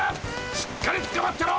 しっかりつかまってろ！